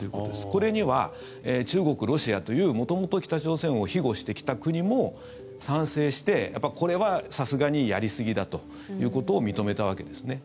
これには中国、ロシアという元々北朝鮮を庇護してきた国も賛成してこれはさすがにやりすぎだということを認めたわけですね。